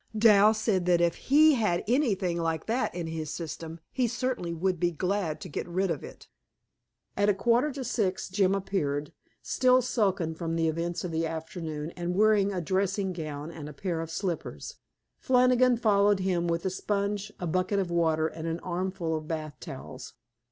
Dal said that if HE had anything like that in his system he certainly would be glad to get rid of it. At a quarter to six Jim appeared, still sullen from the events of the afternoon and wearing a dressing gown and a pair of slippers, Flannigan following him with a sponge, a bucket of water and an armful of bath towels.